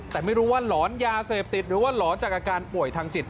แต่ไม่รู้ว่าหลอนยาเสพติดหรือว่าหลอนจากอาการป่วยทางจิต